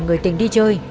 người tình đi chơi